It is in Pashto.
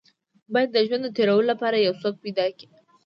بايد د ژوند د تېرولو لپاره يو څوک پيدا کې.